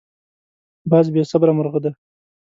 باز بې صبره مرغه دی